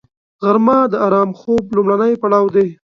غرمه د آرام خوب لومړنی پړاو دی